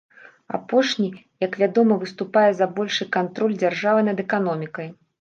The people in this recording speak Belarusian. Апошні, як вядома, выступае за большы кантроль дзяржавы над эканомікай.